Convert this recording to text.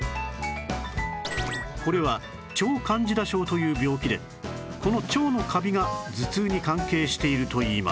これは腸カンジダ症という病気でこの腸のカビが頭痛に関係しているといいます